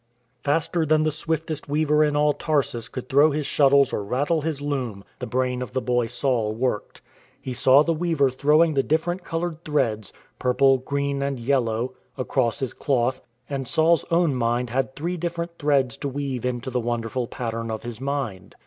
Faster than the swiftest weaver in all Tarsus could throw his shuttles or rattle his loom, the brain of the THE LOOM OF THE TENT MAKER 31 boy Saul worked. He saw the weaver throwing the different coloured threads — purple, green, and yellow — across his cloth ; and Saul's own mind had three dif ferent threads to weave into the wonderful pattern of his mind.